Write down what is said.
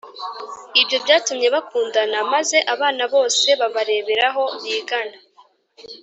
Ibyo byatumye bakundana, maze abana bose babareberaho, bigana